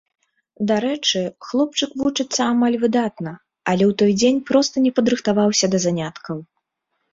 Дарэчы, хлопчык вучыцца амаль выдатна, але у той дзень проста не падрыхтаваўся да заняткаў.